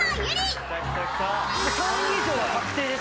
３位以上は確定ですから。